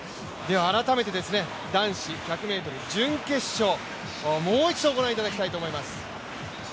改めて男子１００ｍ準決勝、もう一度ご覧いただきたいと思います。